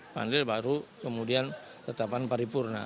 panggil baru kemudian tetapan paripurna